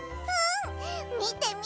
みてみて！